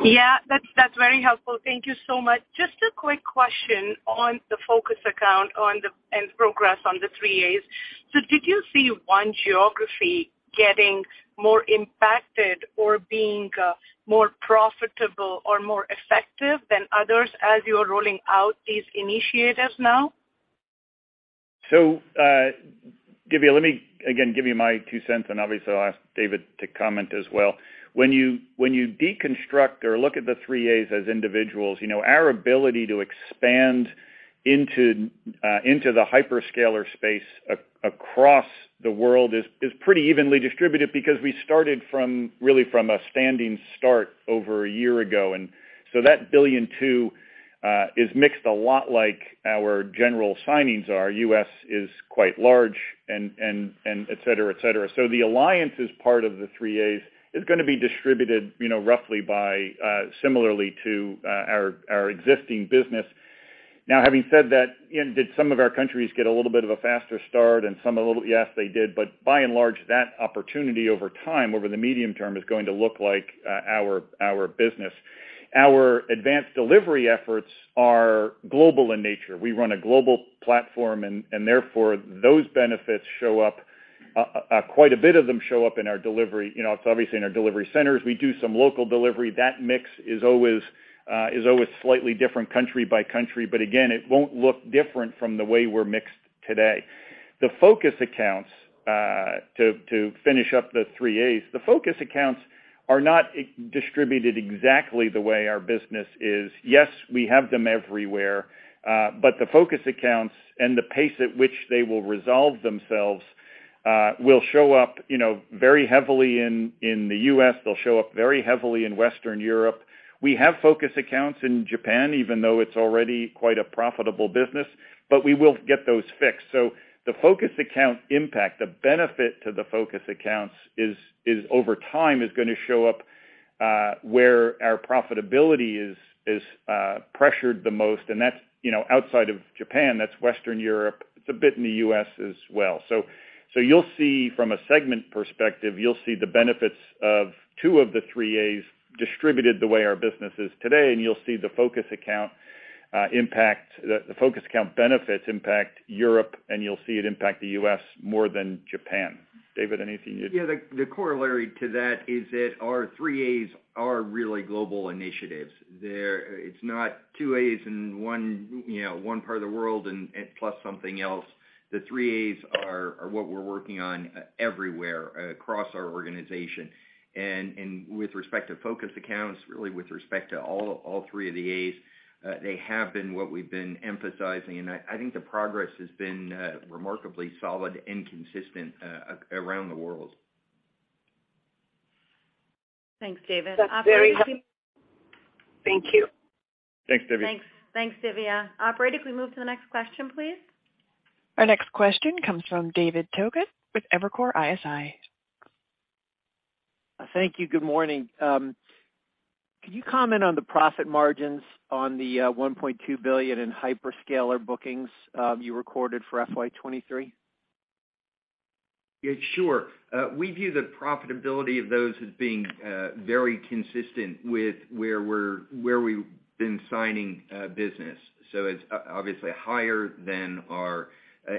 Yeah, that's very helpful. Thank you so much. Just a quick question on the Focus Accounts on the progress on the Three A's. Did you see one geography getting more impacted or being more profitable or more effective than others as you're rolling out these initiatives now? Divya, let me again give you my two cents, and obviously I'll ask David Wyshner to comment as well. When you deconstruct or look at the Three A's as individuals, you know, our ability to expand into the hyperscaler space across the world is pretty evenly distributed because we started from really from a standing start over one year ago. That $1.2 billion is mixed a lot like our general signings are. U.S. is quite large and et cetera, et cetera. The Alliances part of the Three A's is gonna be distributed, you know, roughly by similarly to our existing business. Having said that, you know, did some of our countries get a little bit of a faster start and some a little? Yes, they did. By and large, that opportunity over time, over the medium term, is going to look like our business. Our Advanced Delivery efforts are global in nature. We run a global platform and, therefore, those benefits show up quite a bit of them show up in our delivery, you know, it's obviously in our delivery centers. We do some local delivery. That mix is always slightly different country by country. Again, it won't look different from the way we're mixed today. The focus Accounts to finish up the Three A's. The focus Accounts are not distributed exactly the way our business is. Yes, we have them everywhere, but the focus accounts and the pace at which they will resolve themselves, will show up, you know, very heavily in the U.S., they'll show up very heavily in Western Europe. We have focus accounts in Japan, even though it's already quite a profitable business, but we will get those fixed. The focus account impact, the benefit to the focus accounts is over time, is gonna show up where our profitability is pressured the most. That's, you know, outside of Japan, that's Western Europe. It's a bit in the U.S. as well. You'll see from a segment perspective, you'll see the benefits of two of the Three A's distributed the way our business is today, and you'll see the focus account impact... The focus account benefits impact Europe, and you'll see it impact the U.S. more than Japan. David. Yeah, the corollary to that is that our Three A's are really global initiatives. It's not two A's in one, you know, one part of the world and plus something else. The Three A's are what we're working on everywhere across our organization. With respect to focus Accounts, really with respect to all three of the A's, they have been what we've been emphasizing. I think the progress has been remarkably solid and consistent around the world. Thanks, David. That's very helpful. Thank you. Thanks, Divya. Thanks. Thanks, Divya. Operator, if we move to the next question, please. Our next question comes from David Togut with Evercore ISI. Thank you. Good morning. Can you comment on the profit margins on the $1.2 billion in hyperscaler bookings you recorded for FY23? Yeah, sure. We view the profitability of those as being very consistent with where we've been signing business. It's obviously higher than our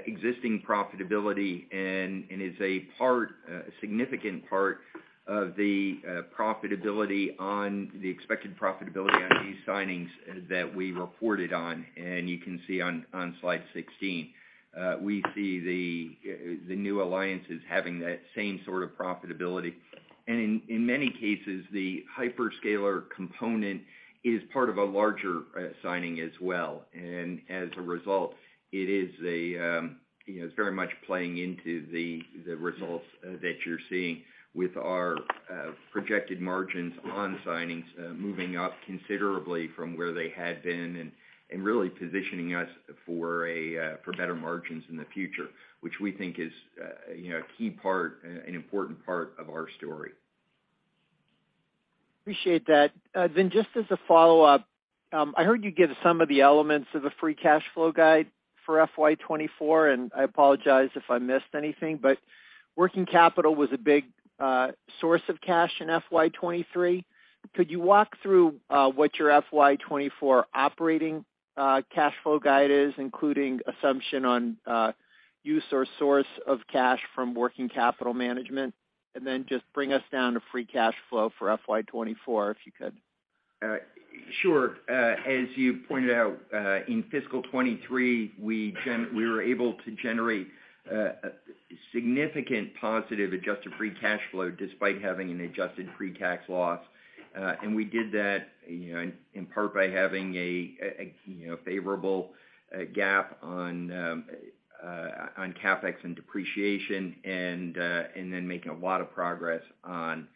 existing profitability and is a part a significant part of the profitability on the expected profitability on these signings that we reported on, and you can see on slide 16. We see the new Alliances having that same sort of profitability. In many cases, the hyperscaler component is part of a larger signing as well. As a result, it is a, you know, it's very much playing into the results that you're seeing with our projected margins on signings moving up considerably from where they had been and really positioning us for a for better margins in the future, which we think is, you know, a key part and an important part of our story. Appreciate that. Just as a follow-up, I heard you give some of the elements of the free cash flow guide for FY 2024, and I apologize if I missed anything, but working capital was a big source of cash in FY 2023. Could you walk through what your FY 2024 operating cash flow guide is, including assumption on use or source of cash from working capital management? Just bring us down to free cash flow for FY 2024, if you could. Sure. As you pointed out, in fiscal 2023, we were able to generate a significant positive adjusted free cash flow despite having an adjusted free tax loss. We did that, you know, in part by having a, you know, a favorable GAAP on CapEx and depreciation and then making a lot of progress on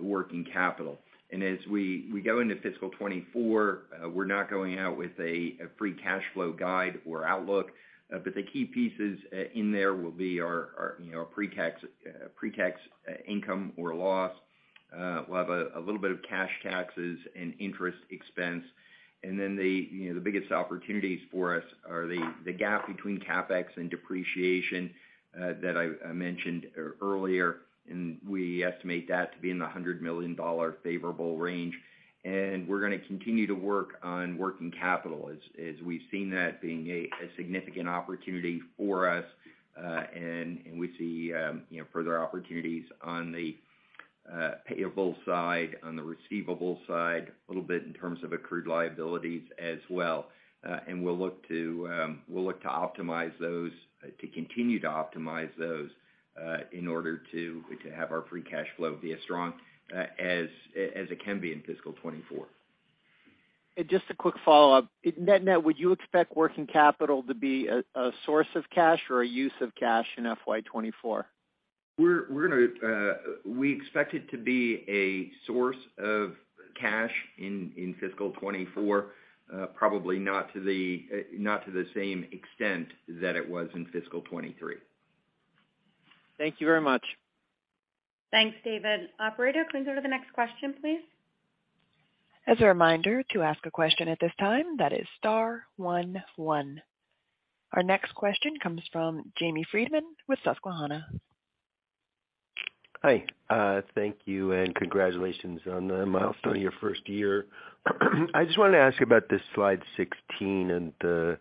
working capital. As we go into fiscal 2024, we're not going out with a free cash flow guide or outlook, but the key pieces in there will be our, you know, our pre-tax income or loss. We'll have a little bit of cash taxes and interest expense. The, you know, the biggest opportunities for us are the gap between CapEx and depreciation that I mentioned earlier, and we estimate that to be in the $100 million favorable range. We're gonna continue to work on working capital as we've seen that being a significant opportunity for us, and we see, you know, further opportunities on the payable side, on the receivable side, a little bit in terms of accrued liabilities as well. We'll look to optimize those to continue to optimize those in order to have our free cash flow be as strong as it can be in fiscal 2024. Just a quick follow-up. Net, net, would you expect working capital to be a source of cash or a use of cash in FY 2024? We're gonna we expect it to be a source of cash in fiscal 2024, probably not to the not to the same extent that it was in fiscal 2023. Thank you very much. Thanks, David. Operator, can we go to the next question, please? As a reminder, to ask a question at this time, that is star one one. Our next question comes from Jamie Friedman with Susquehanna. Hi, thank you, and congratulations on the milestone of your first year. I just wanted to ask about this slide 16 and the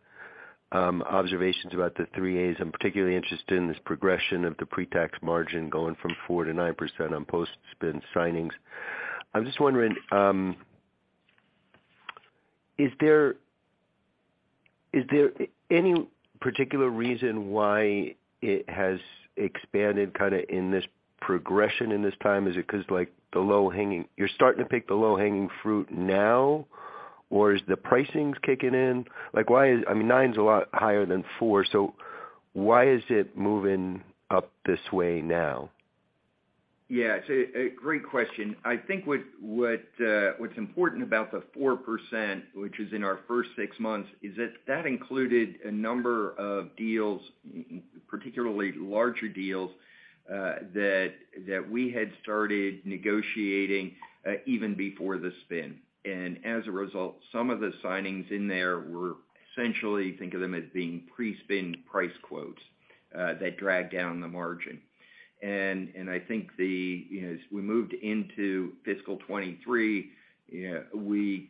observations about the Three A's. I'm particularly interested in this progression of the pre-tax margin going from 4% to 9% on post-spin signings. I was just wondering, is there any particular reason why it has expanded kinda in this progression in this time? Is it 'cause, like, you're starting to pick the low-hanging fruit now, or is the pricings kicking in? I mean, nine's a lot higher than four, so why is it moving up this way now? Yeah, it's a great question. I think what's important about the 4%, which is in our first six months, is that that included a number of deals, particularly larger deals, that we had started negotiating even before the spin. As a result, some of the signings in there were essentially, think of them as being pre-spin price quotes, that dragged down the margin. I think the, you know, as we moved into fiscal 2023, we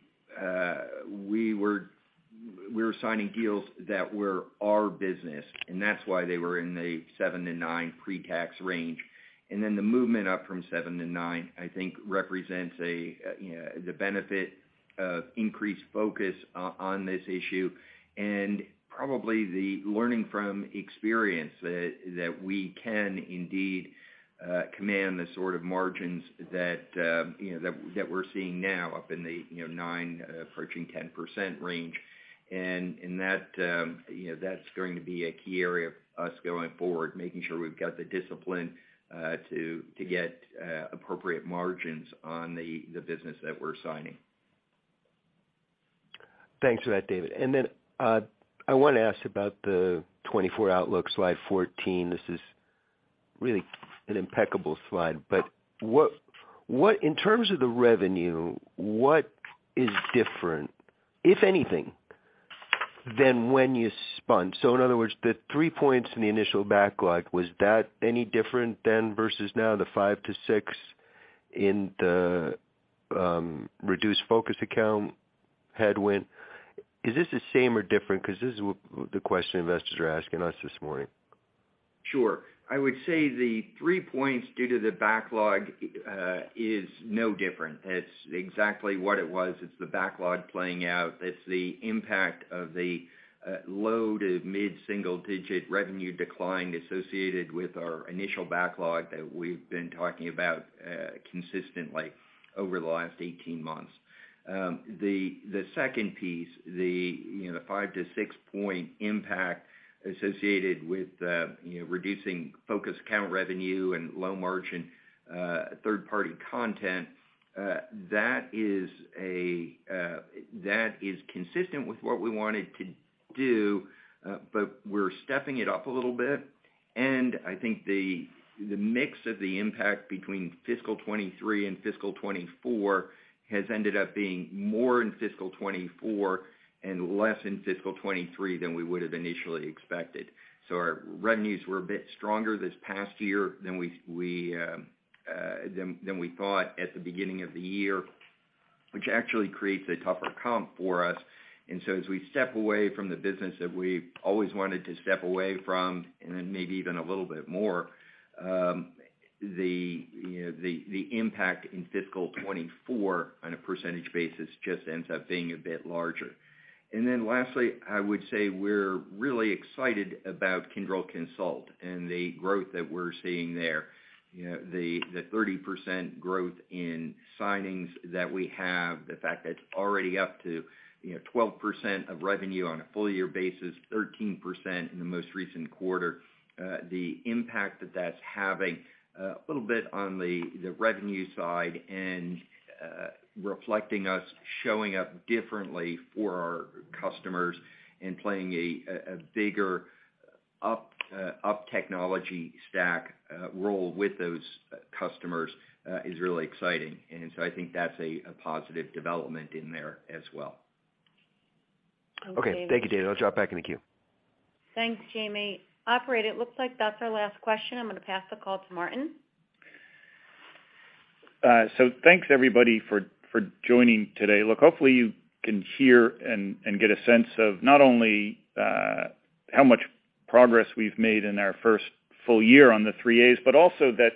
were signing deals that were our business, and that's why they were in the 7%-9% pre-tax range. The movement up from seven to nine, I think, represents a, you know, the benefit of increased focus on this issue, and probably the learning from experience that we can indeed command the sort of margins that, you know, that we're seeing now up in the, you know, nine, approaching 10% range. That, you know, that's going to be a key area for us going forward, making sure we've got the discipline to get appropriate margins on the business that we're signing. Thanks for that, David. I wanna ask about the 2024 outlook, slide 14. This is really an impeccable slide. What, in terms of the revenue, what is different, if anything, than when you spun? In other words, the three points in the initial backlog, was that any different then versus now, the 5-6 in the reduced focused Accounts headwind? Is this the same or different? 'Cause this is the question investors are asking us this morning. Sure. I would say the three points due to the backlog is no different. It's exactly what it was. It's the backlog playing out. It's the impact of the low to mid-single digit revenue decline associated with our initial backlog that we've been talking about consistently over the last 18 months. The second piece, the, you know, the five to six point impact associated with, you know, reducing focused account revenue and low-margin third-party content that is consistent with what we wanted to do, but we're stepping it up a little bit. I think the mix of the impact between fiscal 2023 and fiscal 2024 has ended up being more in fiscal 2024 and less in fiscal 2023 than we would've initially expected. Our revenues were a bit stronger this past year than we thought at the beginning of the year, which actually creates a tougher comp for us. As we step away from the business that we've always wanted to step away from, and then maybe even a little bit more, you know, the impact in fiscal 2024 on a percentage basis just ends up being a bit larger. Lastly, I would say we're really excited about Kyndryl Consult and the growth that we're seeing there. You know, the 30% growth in signings that we have, the fact that it's already up to, you know, 12% of revenue on a full year basis, 13% in the most recent quarter, the impact that that's having a little bit on the revenue side and reflecting us showing up differently for our customers and playing a bigger up technology stack role with those customers is really exciting. I think that's a positive development in there as well. Okay. Thank you, David. I'll drop back in the queue. Thanks, Jamie. Operator, it looks like that's our last question. I'm gonna pass the call to Martin. Thanks, everybody, for joining today. Look, hopefully you can hear and get a sense of not only how much progress we've made in our first full year on the Three A's, but also that,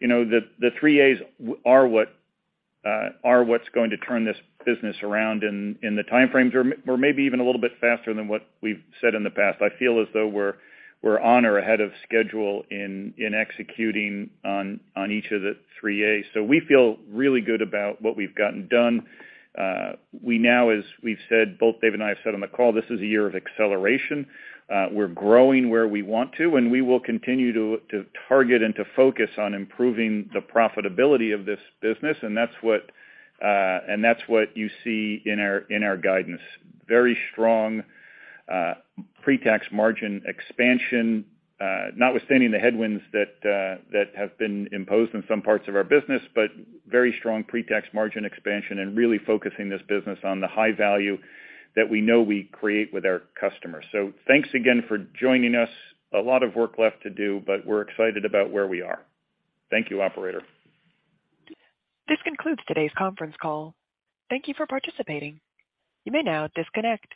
you know, the Three A's are what's going to turn this business around in the timeframes, or maybe even a little bit faster than what we've said in the past. I feel as though we're on or ahead of schedule in executing on each of the Three A's. We feel really good about what we've gotten done. We now, as we've said, both David and I have said on the call, this is a year of acceleration. We're growing where we want to. We will continue to target and to focus on improving the profitability of this business. That's what, and that's what you see in our, in our guidance. Very strong pre-tax margin expansion, notwithstanding the headwinds that have been imposed in some parts of our business. Very strong pre-tax margin expansion and really focusing this business on the high value that we know we create with our customers. Thanks again for joining us. A lot of work left to do. We're excited about where we are. Thank you, operator. This concludes today's conference call. Thank you for participating. You may now disconnect.